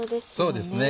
そうですね